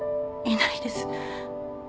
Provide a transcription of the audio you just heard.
ないです。